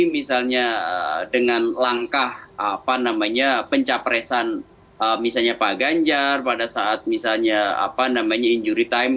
misalnya dengan langkah pencapresan pak ganjar pada saat misalnya injury time